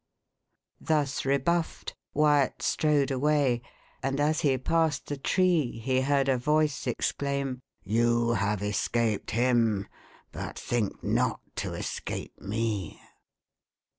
Thus rebuffed, Wyat strode away, and as he passed the tree he heard a voice exclaim, "You have escaped him, but think not to escape me!"